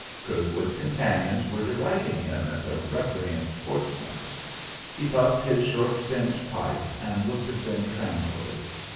Kirkwood's companions were deriding him as a recreant sportsman. He puffed his short stemmed pipe and looked at them tranquilly.